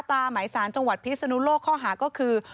หมายสารจังหวัดพิศนุโลกข้อหาก็คือ